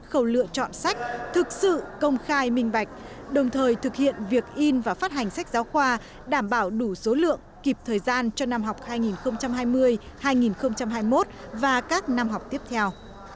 các khẩu lựa chọn sách thực sự công khai minh bạch đồng thời thực hiện việc in và phát hành sách giáo khoa đảm bảo đủ số lượng kịp thời gian cho năm học hai nghìn hai mươi hai nghìn hai mươi một và các năm học tiếp theo